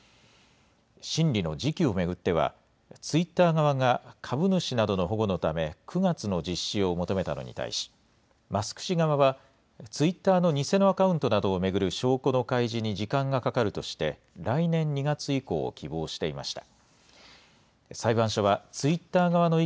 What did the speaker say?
審理の時期を巡っては、ツイッター側が株主などの保護のため、９月の実施を求めたのに対し、マスク氏側は、ツイッターの偽のアカウントなどを巡る証拠の開示に時間がかかるとして、来年２月以降を希望していました。